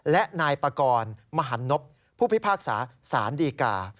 และนายปากรมหานพผู้พิพากษาศาลดีการ์